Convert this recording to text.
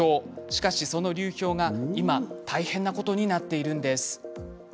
しかし、その流氷が今大変なことになっているんです。